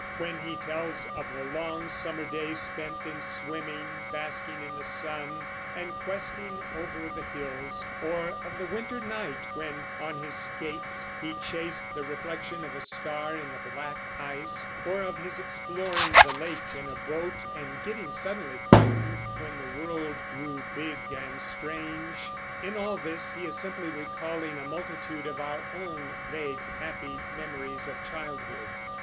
When he tells of the long summer day spent in swimming, basking in the sun, and questing over the hills; or of the winter night when, on his skates, he chased the reflection of a star in the black ice; or of his exploring the lake in a boat, and getting suddenly frightened when the world grew big and strange, in all this he is simply recalling a multitude of our own vague, happy memories of childhood.